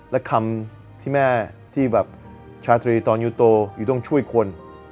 และคำที่แม่ที่แบบชาตรีตอนยูโตอยู่ต้องช่วยคน